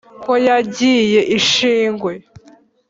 ko yangiye ishingwe.